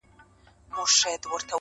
• کورنۍ لا هم ټوټه ټوټه ده,